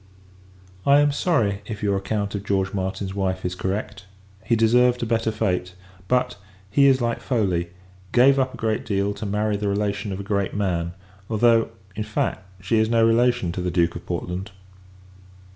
I am sorry, if your account of George Martin's wife is correct; he deserved a better fate. But, he is like Foley; gave up a great deal, to marry the relation of a great man: although, in fact, she is no relation to the Duke of Portland.